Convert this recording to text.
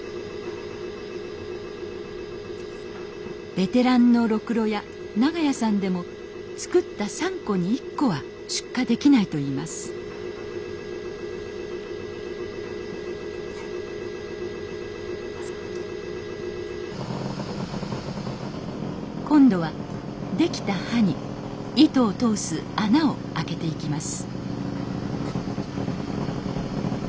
ベテランのろくろ屋長屋さんでも作った３個に１個は出荷できないといいます今度はできた歯に糸を通す穴を開けていきます